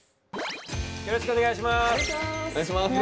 よろしくお願いします。